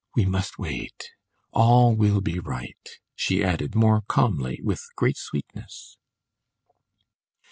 We must wait! All will be right," she added more calmly, with great sweetness.